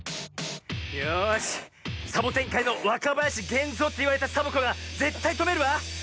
よしサボテンかいのわかばやしげんぞうといわれたサボ子がぜったいとめるわ！